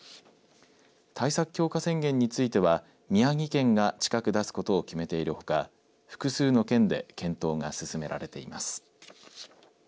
対策強化宣言については宮城県が近く出すことを決めているほか複数の県で検討が進められています。